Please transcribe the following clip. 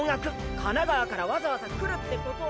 神奈川からわざわざ来るってことは。